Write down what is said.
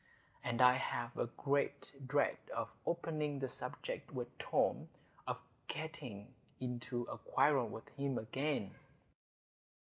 And I have a great dread of opening the subject with Tom,—of getting into a quarrel with him again."